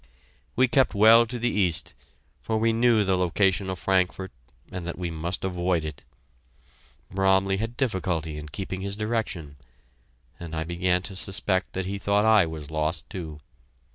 We kept well to the east, for we knew the location of Frankfort and that we must avoid it. Bromley had difficulty in keeping his direction, and I began to suspect that he thought I was lost, too.